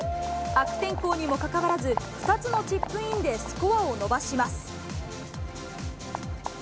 悪天候にもかかわらず、２つのチップインでスコアを伸ばします。